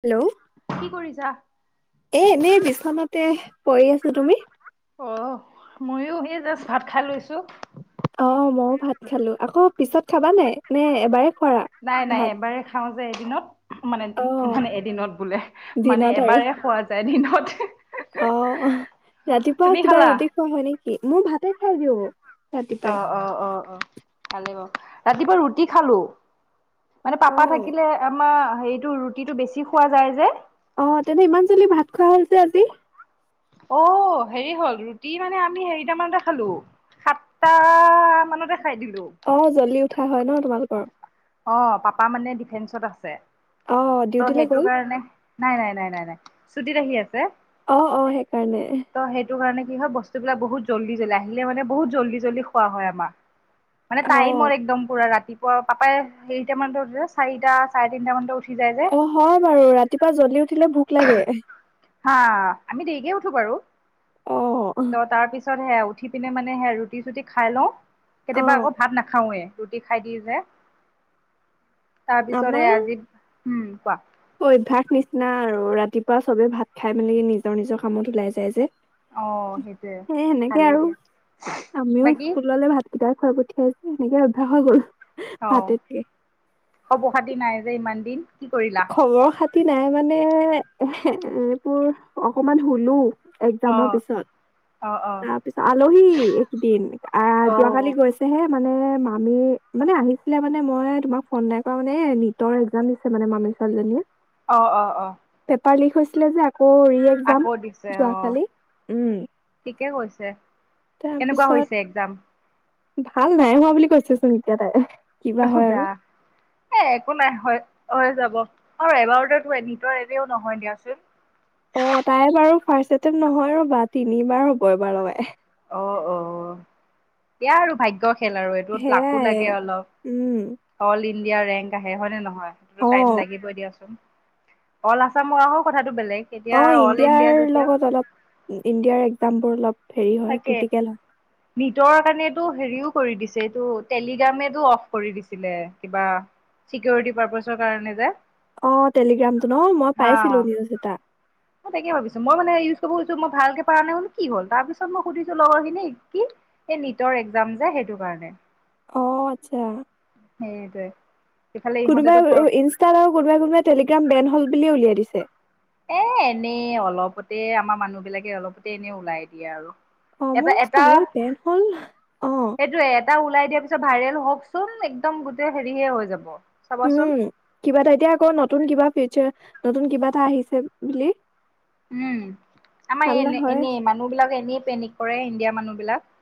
Hello কি কৰিছা এ এনেই বিচনাতে পৰি আছো তুমি? অ ময়ো সেই ভাত খাই লৈছোঁ অ মইও ভাত খালো আকৌ পিছত খাবা নাই নে এবাৰে খোৱা নাই নাই ভাত? এবাৰ খাওঁ এদিনত মানে অ মানে এদিনত বোলে মানে দিনত আৰু এবাৰে খোৱা যায় দিনত অ তুমি খালা েই খাই দিব অ অ অ অ খালে বাৰ ৰাতিপুৱা ৰুটি খালো মানে অ পাপা থাকিলে আমাৰ সেইটো ৰুটিটো বেছি খোৱা যায় যে খ হছে আতিি অ হেৰি হ'ল ৰুটি মানে আমি হাৰটা মানতে খালো সাতটা মানতে খ খাই দিলো অ জল্দি উঠা হয় ন তোমালোকৰ অ পাপা মানে ডিফেন্সত আছে অ ত' ডিউটিলৈ সেইটো গল কাৰণে নাই নাই নাই নাই নাই চুটিত আহি আছে অ অ সেইকাৰণে ত' সেইটো কাৰণে কি হয় বস্তুবিলাক বহুত জল্দি জল্দি আহিলে মানে বহুত জল্দি জল্দি খোৱা হয় আমাৰ মানে অ তাই মোৰ একদম পুৰা ৰাতি প পাপাইে এৰিটা মান উ চাৰিটা চাৰে তিনিটা মান অ হয় বাৰু ৰাতিপুৱা জ্বলি উঠিলে ভোক লাগে হা,,, আমি দেৰিকে উঠো বাৰু। অ ত তাৰপিছত। তাৰ পৰা এই উঠি পিনে মানে হে ৰুটি, চুটি খাই লওঁ। অ কেতিয়াবা আকৌ ভাত নাখাওৱে। ৰুটি খাই দিও যে। তাৰ পিছৰে আমাৰ আজি। উম কোৱা। অভ্যাস নিচিনা আৰু ৰাতিপুৱা চবে ভাত খাই মেলি নিজৰ, নিজৰ কামত ওলাই যায় যে। অ সেইটোয়ে সেই সেনেকে ভালেই আৰু দিয়া বাকী? তেতিয়া খুৱাই পঠিয়াইছে সেনেকে অভ্যাস হৈ গ'ল। অ ভাতে থাকে। খবৰ, খাতি নাই যে ইমান দিন। কি কৰিলা। খবৰ খাতি নাই মানে এ এইবোৰ অকমান হুনো। এক্সামৰ অ', পিছত, অ', অ', তাৰ পিছত আলহী এইকেইদিন আহ যোৱাকালি অ', গৈছেহে। মানে, মামি মানে আহিছিলে মানে মই তোমাক ফোন নাই কৰা মানে এ নিটৰ এক্সাম দিছে মানে মামি। চালে নে? অহ, অহ, অহ। যে আকৌ ৰি এক্জাম আকৌ দিছে, অ যোৱাকালি উম ঠিকে কৈছে কেনেকুৱা তাৰপিছত হৈছে এক্সাম? ভাল নাই হোৱা বুলি কৈছে চোন এতিয়া তাই। কিবা হয় জা আৰু এ একো নাই হৈ হৈ যাব। আৰু এবাৰতেটো এ নিতৰ এনেও নহয় দিয়াচোন। অহ তাই বাৰু ফাৰ্ষ্ট এটেম নহয় ৰবা তিনিবাৰ হ'ব এবাৰ লগে। অহ অহ এয়া আৰু ভাগ্য। খেল আৰু এইটোত লাকো সেয়াই লাগে অলপ উম অল ই। ইণ্ডিয়াৰ ৰেংক আহে হয় নে নহয়। সেইটো টাইম অ' লাগিবই দিয়াচোন। অল আছাম হোৱাও কথা। অহ ইণ্ডিয়াৰ লগত অলপ ইণ্ডিয়াৰ এক্জামবোৰ লগত। হেৰি হয় ক্ৰিটিকেল হয়। নিজৰ কাৰণটো হেৰিও কৰি দিছে এইটো টেলিগ্ৰাম এটো অফ কৰি দিছিলে কিবা চিকিৰটি প্ৰৰপচ কাৰণে যে। অহ টেলিগ্ৰামটো ন মই হা পাইছিলো নিউজ এটা। তাকে ভাবিছো মই মানে ইউচ কৰিব খুজিছো মই ভালকে পাৰা নাই কি হ'ল তাৰপিছত মই সুধিছো লগৰখিনিক কি এই লিতৰ একজাম সেইটো কাৰণে। অহ আচ্ছা। সেই দে। কোনোবা ইনষ্টা আৰু কোনোবাই কোনোব টেলিগ্ৰাম বেন হ' বুলিয়ে উলিয়াই দিছে এ এনেই অলপতে আমাৰ মানুহ বিলাকে অলপতে এনে ওলাই দিয়া আৰু অ এটা এটা মইছো পেন হল আহ সেইটোয়ে এটা ওলাই দিয়াৰ পিছত ভাইৰেল হওকচোন একদম গোটেই হেৰি হে হৈ যাব চাবাচোন উম কিবা এটা এতিয়া আকৌ নতুন কিবা ফিউচাৰ নতুন কিবা এটা আহিছে বুলি উম আমাৰ হাল্লা এনে হয় এনেই মানুহ বিলাকে এনেই পেনিক কৰে ইণ্ডিয়া মানুহ বিলাক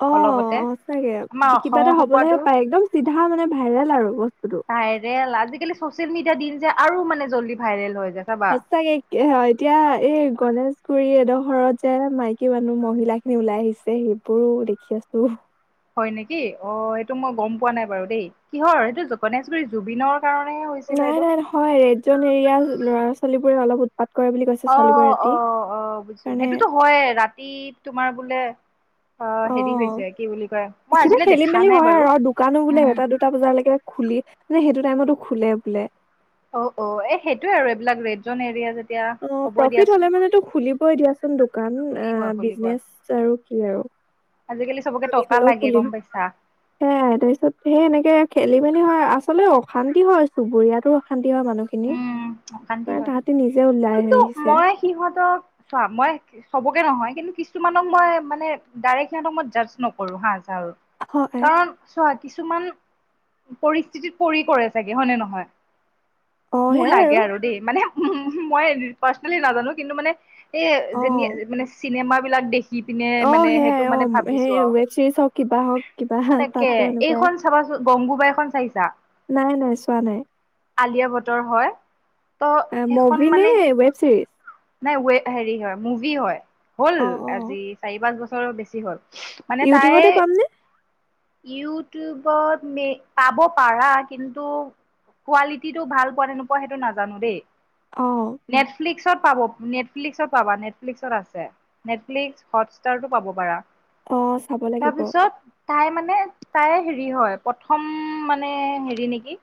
অ অলপতে সঁচাকে আমাৰ কিবা অসমৰ এটা হবলেহে সোপাটো পায়। একদম চিধা মানে ভাইৰেল আৰু বস্ত।। ভাইৰেল [inaudible] আজিকালি ছ'চিয়েল মিডিয়া দিন যে, আৰু মানে জল্দি ভাইৰেল হয়। সঁচাকে অ এতিয়া এই গণেশ।। গুৰি এডোখৰত যে মাইকী মানুহ মহিলা খিনি ওলাই আহিছে সেইবোৰো দেখি আছোঁ। হয় নেকি অ এইটো মই গম পোৱা নাই বাৰু দেই কিহৰ? সেইটো গণেশগুৰি জুবিনৰ।। কাৰণেহে হৈছিলে নাই এইটো নাই নহয় ৰেড জন এৰিয়া ল'ৰা ছোৱালী বো।। ৰে [inaudible] অলপ উৎপাত কৰে বুলি কৈছে অ ছোৱালীবোৰে ৰাতি অ অ বুজিছো কাৰণে সেইটোতো হয়ে ৰাতি তোমাৰ বোলে।। অ হেৰি হৈছে কি বুলি কয় মই কিবা আজিলৈ খেলি দেখা মেলি নাই হয় বাৰু আৰু দোকানো বোলে উম এটা দুটা বজালৈকে খুলিয়ে।। মানে সেইটো টাইমতো খোলে বোলে। অ অ এ সেইটোয়ে আৰু এইবিলাক ৰেড জন এৰিয়া। আৰু অ প্ৰফিত হলে মানে টো খুলিবই দিয়া চো।। [inaudible] দোকান এ খুলিবই খুলিবই বিজনেচ আৰু। কি আৰু।। আজিকালি চবকে আমি টকা হলেও লাগে খুলিম। গম পাইছা সেইয়াই তাৰপিছত সেই এনেকে খেলি মেলি হয়। আচলতে অশান্তি হয় চুবুৰীয়াতো অশান্তি। ওচৰৰ মানুহখিনি উম অশান্তি মানে হয় তাহাঁতি নি।। কিন্তু মই সিহঁতক চোৱা মই চবকে নহয়। কিন্তু কিছুমানক মই মানে ডাইৰেক্ট সিহঁতক মই জাৰ্জ নকৰোঁ হা।। আৰু হয় কাৰণ চোৱা কিছুমান।। পৰিস্থিতিত পৰি কৰে চাগে হয়নে? নহয় অ মোৰ সেয়াই লাগে আৰু দেই মানে।। উহু উহু মই পাৰ্চনেলি নাজানো কিন্তু মানে এ অ যেন মানে চিনেমাত বিলাক দেখি পিনে অ মানে সেইটো সেয়াই অ মানে ভাবিছো সেই আৰু ওৱেব ছিৰিজ হওঁক কিবা হওঁক কিবা তাতটো এনেকুৱাই। গঙগুবাই খন চাইছা? নাই নাই চোৱা নাই। আলিয়া ভাট ভাতৰ হয়। ত' এই সেইখন মভি নে মানে ৱেব চিৰিজ? নাই ৱে হেৰি হয় মুভি হয়। হ'ল, অ অ আজি চাৰি পাঁচ বছৰ -বেছি হ'ল। ইউটিউবতে পামনে? ইউ টিউবত এ পাব পাৰা, কিন্তু কোৱালিটিটো ভাল পোৱা নে নোপোৱা, সেইটো নাজানো দেই। অ -নেটফ্লিক্স পাব নেটফ্লিক্সত পাবা। নেটফ্লিক্সত আছে। নেটফ্লিক্স, হটষ্টাৰটো পাব পাৰা? অ চাব লাগিব তাৰপিছত, তাই মানে তাই হেৰি হয়। প্ৰথম মানে হেৰি নেকি?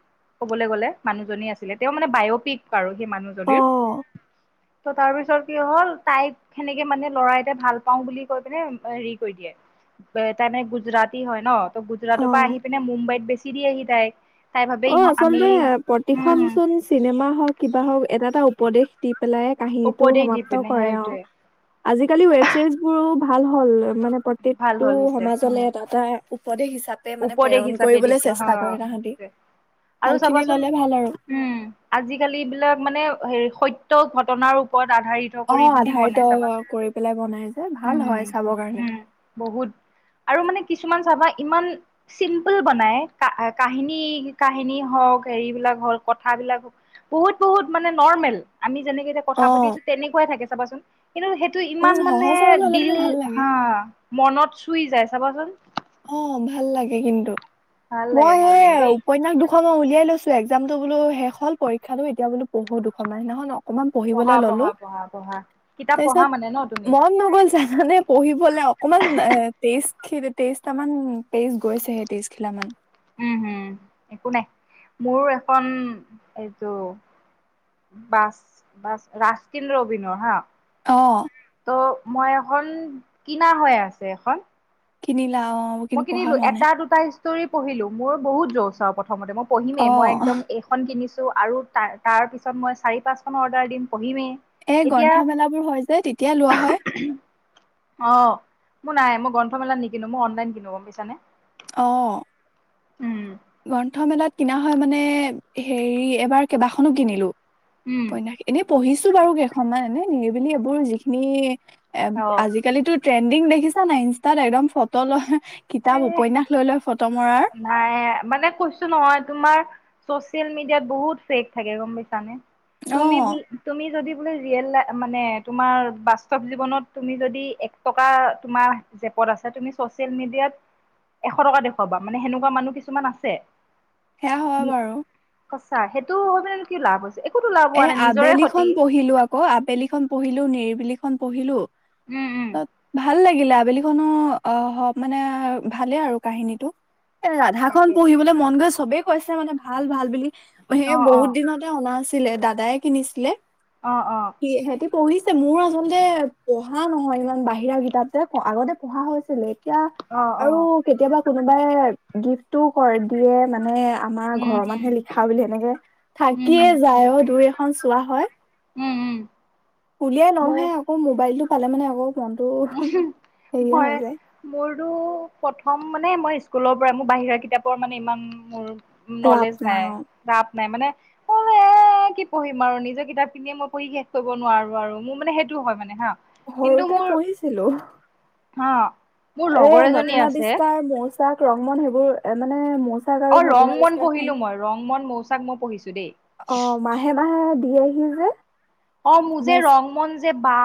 ক'বলৈ গ'লে মানুহজনী আছে তেতিয়াও মানে বায়'পিক বাৰু। অ মানুহজনীৰ ত' তাৰ পিছত কি হ'ল -তাইক তেনেকে মানে ল'ৰাই এটাই ভাল পাও বুলি কৈ পিনে হেৰি কৰি দিয়ে। তাৰমানে, গুজৰাটী হয় ন। অ গুজৰাটৰ পৰা আহি পিনে মুম্বাইত বেছিচে। -সি আহি তাইক তাই ভাবে অ' ইহ আমি আচলতে উম প্ৰতিখন হম চোন চিনেমা হওক, কিবা হওক এটা এটা উপদেশ দি - পেলাই কাহিনীটো উপদেশ দি সমাপ্ত পিনে কৰে আৰু। সেইটোৱে আজি কালি ওৱেৱ ছিৰিজ বোৰো -ভাল হ'ল ৰবা। -মানে ভাল প্ৰত্যেকটো হ'ল হৈছে সমাজলে উম। এটা এটা উপদেশ হিচাপে -পে মানে উপদেশ প্ৰেৰণ হিচাপে কৰিবলৈ দিছে হ চেষ্টা কৰে তাহাতি। আৰু চাবাচোন, উম। আজিকালি বিলাক মানে হেৰি, সত্য -ত ঘটনাৰ ওপৰত -আধাৰিত অ কৰি পিনে বনাই আধাৰিত চাবাচোন। কৰি পেলাই বনাই যে ভাল উম। হয় চাবৰ কাৰণে উম। বহুত। আৰু মানে কি কিছুমান চাবা ইমান চিম্পুল বনাই। কাহিনী কাহিনী হওক, হেৰি বিলাক হওক, কথাবিলাক হওক বহুত বহুত মানে নৰ্মেল। আমি যেনেকে এতিয়া কথা অ পাতিছো, তেনেকুৱাই থাকে চাবাচোন কিন্তু, সেইটো উম ইমান মানে সহজ সৰল হলে বোলে দিল, ভাল লাগে হা মনত- চুই যায়, চাবাচোন। অ' ভাল লাগে কিন্তু। ভাল লাগে মই ভাল সেই লাগে দেই উপন্যাস দুখন মই উলিয়াই লৈছো- এগজামটো বোলো শেষ হল পৰীক্ষাতো, এতিয়া বোলো পঢ়ো দুখন মান। নহয় ন- অকমান পঢ়িবলে পঢ়া ললো। পঢ়া পঢ়া পঢ়া কিতাপ পঢ়া তাৰপিছত মানে ন তুমি মন নগ'ল জানানে পঢ়িবলে। অকমান এ তেজ- -খিতে টেষ্ট- তামান, পেইজ গৈছেহে তেইশ খিলা মান উম হুম! একো নাই। মোৰ এখন এইটো বাছ, বাছ ৰাস্কিন-ৰবীনৰ হা- অঁ ত' মই এখন কিনা হৈ আছে এখন- কিনিল- মই কিনিলো, এটা দুটাই- ষ্টৰি পঢ়িলো। মোৰ বহুত যৌচ আৰু প্ৰ- থমতে, মই অ পঢ়িমেই মই একদম এইখন কিনি- ছোঁ আৰু তাৰ, তাৰ পিছত মই চাৰি পাঁচখনৰ অৰ্ডাৰ দিম, পঢ়িমেই এ এতিয়া গ্ৰন্থমেলাবোৰ হয় যে, তেতিয়া লোৱা হয়। অ মোৰ নাই, মই গ্ৰন্থমেলাত নিকিনো মই অনলাইন কিন- নো, গম পাইছা নে? অঁ! উম গ্ৰন্থমেলাত কিনা হয় মানে হেৰি এবাৰ কেইবাখনো কিনিলো- উম উপন্যাস, এনেই পৰিছোঁ- বাৰু কেইখনমান এনে নিৰিবিলি এইবোৰ যিখিনি- এ অ আজিকালিতো- ট্ৰেণ্ডিং দেখিছা নাই ইনষ্টাত একদম ফটো লয়- কিতাপ, এ উপন্যাস লৈ লৈ ফটো ম- নাই মানে- কৈছো নহয় তোমাৰ চছেল মিডিয়াত বহুত ফেক থাকে গম পাইছানে? অ তুমি বুল, তুমি যদি- মানে ৰিয়েল লা, মানে তোমাৰ বাস্তৱ জীৱনত তুমি যদি এক টকা তোমাৰ জেপত আছে তুমি চছিয়েল মিডিয়াত এশ টকা দেখ- ৱাবা। মানে সেনেকুৱা মানুহ কিছুমান আছে। সেয়া হয় বাৰু সঁচা। সেইটো হৈ পেলাইনো কি লাভ হৈছ- এ আবেলিখন পঢ়িলো আকৌ আবেলিখন পঢ়িলো, নিৰিব বিলিখন পঢ়িলোঁ। উম উম। লা আবেলিখনো অঁ হ মানে ভালেই আৰু কাহিনীটো এ ৰাধা খন তাকে পঢ়িবলৈ মন গৈ আছে চবে কৈছে মানে ভাল ভাল বুলি সেয়ে অ অ বহুত দিনতে অনা আছ ছিলে, দাদায়ে কিনিছিলে অঁ অঁ। সি সিহঁতি পঢ়িছে মোৰ আচলতে পঢ়া নহয় ইমান বাহিৰা কিতাপ যে আগতে পঢ়া হৈছিলে এতিয়া অ অ আৰু কেতিয়াবা কোনোবাই গিফ্টটো কৰি দিয়ে মানে আমাৰ উম ঘৰৰ হম মানুহে লিখা বুলি সেনেকে উম থাকিয়ে হম দুই এখন চোৱা হয় উম উম উলিয়াই মোৰ লহে আকৌ মোবাইলতটো পালে মানে আকৌ মনটো হেৰিয়ে মই হৈ যায় মোৰো প্ৰথম মানে মই স্কুলৰ পৰা মোৰ বাহিৰা কিতাপৰ মানে ইমান মোৰ ৰাপ নলেজ নাই অ নাই মানে অ এ কি পঢ়িম আৰু নিজৰ কিতাপ খিনিয়ে মই পঢ়ি শেষ কৰিব নোৱাৰো আৰু মোৰ মানে সেইটোও হয় মানে হা ঘৰুতে পঢ়িছ হেল্ল' অ এ নতুন আৱিষ্কাৰ মৌচাক ৰংমন সেইবোৰ মানে মৌচাক আৰু অ নতুন ৰং মন আৱিষ্কাৰখন পঢ়িলো মই ৰং মন মৌচাক মই পঢ়িছো অ দেই মাহে মাহে দি আহি যে অ মোৰ যে মৌচ ৰং মন যে বা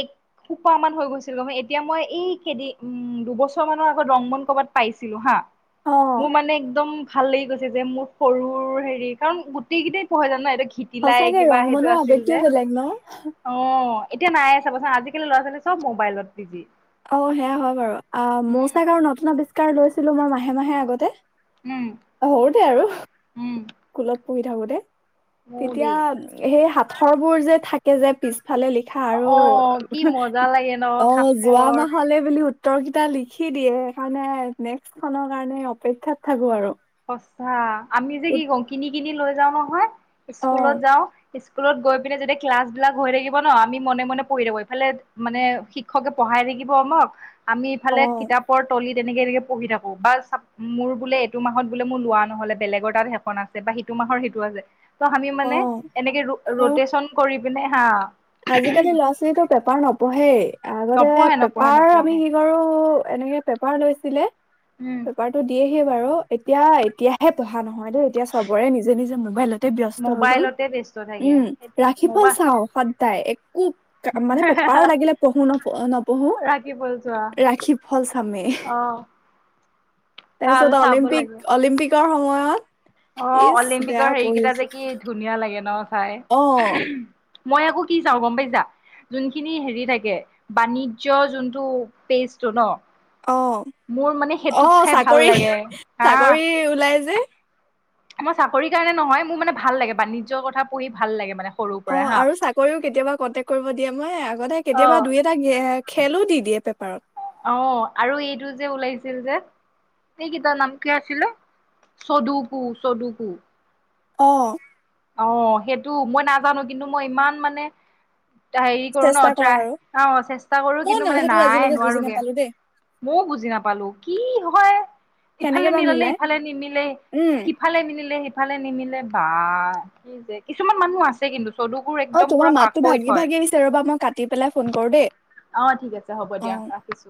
এক সোপাহ মান হৈ গৈছিল গ এতিয়া মই এই কেইদিন উ দুবছৰ মানৰ আগত ৰং বন ক'বাত পাইছিলো হা অ মোৰ মানে একদম ভালেই গৈছে যে মোৰ সৰুৰ হেৰি কাৰণ গোটেই কেইটেই পঢ়াই যান ন এই সঁচাকে ৰং মনৰ আৱে কিয় বেলেগ ন অ এতিয়া নাইে চাবচোন আজিকালি লৰা ছোৱালী চব মোবাইলত বিজি অ সেয়া হয় বাৰু অ উম মৌচাক আৰু নতুন কাৰ লৈছিলো মই মাহে মাহে আগতে উম সৰুতে আৰু উম কুলত পঢ়ি থাকো তে মোৰো তেতিয়া দেই সেই থৰ বোৰ যে থাকে যে পিছ ফালে লিখা আৰু অ কি মজা লাগে ন অ যোৱা সাঁথৰ মাহলে বুলি উত্তৰ কেইটা লিখি দিয়ে সেইকাৰণে নেক্স খনৰ কাৰণে অপেক্ষাত থাকো আৰু সস্তা আমি যে উত কি কংকিনী কিনি লৈ যাও নহয় স্কুলত অ' যাওঁ স্কুলত গৈ পিনে যদি ক্লাছ বিলাক হৈ থাকিব ন আমি মনে মনে পঢ়ি থাকো ইফালে মানে শিক্ষকে পঢ়াই থাকিব ন আমি ইফালে অ' কিতাপৰ তলিত তেনেকে এনেকে পঢ়ি থাকো বা মোৰ বোলে এইটো মাহত বোলে মোৰ লোৱা নহলে বেলেগৰ তাত সেখন আছে বা সিটো মাহৰ সিটো আছে ত আমি মানে অ' এনেকে আৰু ৰটেচন কৰি নে হা আজিকালি ল'ৰা ছোৱালীটো পেপাৰ নপঢ়ে নপঢ়ে আগতে নপঢ়ে পেপাৰ আমি নপঢ়ে কি কৰো এনেকে পেপাৰ লৈছিলে উম পেপাৰটো দিয়ে স বাৰু এতিয়া এতিয়াহে পঢ়া নহয় নহয় দ এতিয়া চবৰে নিজে নিজে মোবাইলতে ব্যস্ত হৈ গল মোবাইলতে ব্যস্ত থাকে উম সেইটোৱে ৰাখি ফল মোবাইল চাওঁ তাই একো মানে পেপাৰো লাগিলে পঢ়ো নপ নপঢ়ো ৰাখি বল যোৱা ৰাখি ফল চামেই অ ভাল তাৰপিছত চাব অলিম্পিক লাগে অলিম্পিক শ সময়ত অ ইচ বেয়া অলিম্পিকৰ হেৰিকেইটা পঢ়িছো যে কি ধুনীয়া লাগে ন অ চাই মই আকৌ কি চাও গম পাইছো যোনখিনি হেৰি থাকে বাণিজ্য যোনটো পেষ্টো ন অ মোৰ মানে অ সেইটোত চাই ভাল চাকৰি লাগে হা চাকৰি ওলাই যে মই চাকৰি কাৰণে নহয় মোৰ মানে ভাল লাগে বাানিজ্যৰ কথা পঢ়ি ভাল লাগে মানে সৰুৰ অ পৰাই হা আৰু চাকৰিও কেতিয়াবা কণ্টেকট কৰিব দিয়ে মই আগতে অ কেতিয়াবা দুই এটা খেলো দি দিয়ে পেপাৰত অ আৰু এইটো যে ওলাইছিল যে এইকেইটাৰ নাম কে আছিলে চদুকু চদুকু অ অ সেইটো মই নাজানো কিন্তু মই ইমান মানে হেৰি কৰো চেষ্টা কৰা ট্ৰাই আৰু অ চেষ্টা কৰো ময়ো কিন্তু ন মানে সেইটো নাই আজিলৈকে বুজি নোৱাৰোগে নাপালো দেই অ বুজি নাপালো কি হয় কেনেকে ইফালে বা মিললেে মিলাই ইফালে নিমিলে উম সিফালে মিলে সিফালে নিমিলে বা কি যে কিছুমান মানুহ আছে কিন্তু চদুবোৰ অ একদম তোমাৰ পুৰা মাতটো পাকৈত ভাগি হয় ভাগিছে ৰ'বা মই কাটি পেলাই ফোন কৰো দেই অ ঠিক আছে হ'ব দিয়া অ ৰাখিছো